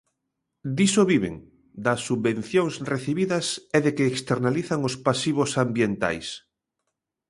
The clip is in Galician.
Diso viven, das subvencións recibidas e de que externalizan os pasivos ambientais.